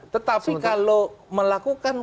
tetapi kalau melakukan